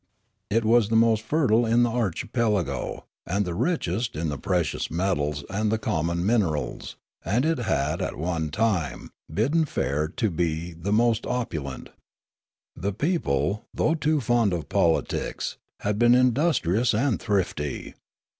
It was the most fertile in the archipelago and the richest in the precious metals and the common minerals; and it had at one time bidden fair to be the most opu lent. The people, though too fond of politics, had been industrious and thrifty.